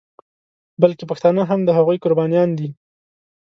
بلکې پښتانه هم د هغوی قربانیان دي.